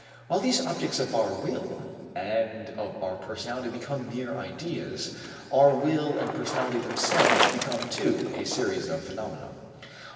While these objects of our will and of our personality become mere ideas, our will and personality themselves become, too, a series of phenomena.